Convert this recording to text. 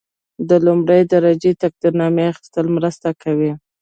د لومړۍ درجې تقدیرنامې اخیستل مرسته کوي.